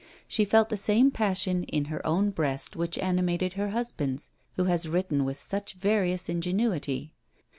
She felt the same passion in her own breast which animated her husband's, who has written, with such various ingenuity.